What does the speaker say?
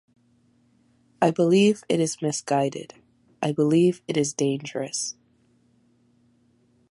I believe it is misguided. I believe it is dangerous.